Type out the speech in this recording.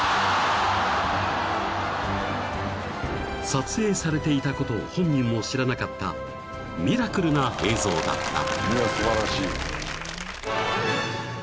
［撮影されていたことを本人も知らなかったミラクルな映像だった］